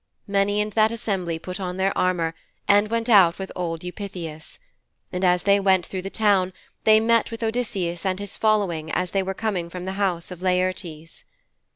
Many in that assembly put on their armour and went out with old Eupeithes. And as they went through the town they met with Odysseus and his following as they were coming from the house of Laertes.